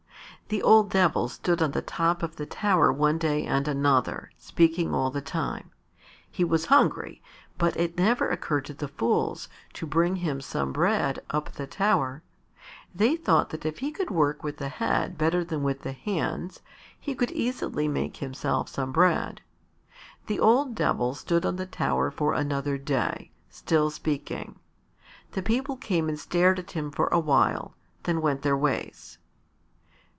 The old Devil stood on top of the tower one day and another, speaking all the time. He was hungry, but it never occurred to the fools to bring him some bread up the tower. They thought that if he could work with the head better than with the hands, he could easily make himself some bread. The old Devil stood on the tower for another day, still speaking. The people came and stared at him for a while; then went their ways.